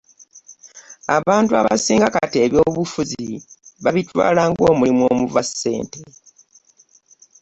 Abantu abasing kati ebyobufuzi babitwala ng'omulimu omuva ssente.